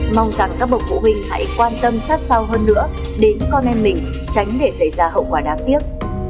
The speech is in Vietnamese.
mong rằng các bậc phụ huynh hãy quan tâm sát sao hơn nữa đến con em mình tránh để xảy ra hậu quả đáng tiếc